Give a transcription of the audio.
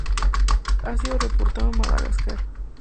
Ha sido reportado en Madagascar.